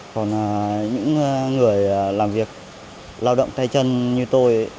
còn những người làm việc lao động tay chân như tôi